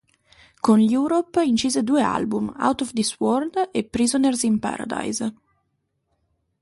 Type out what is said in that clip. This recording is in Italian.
Con gli Europe incise due album: "Out of This World" e "Prisoners in Paradise".